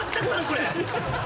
これ。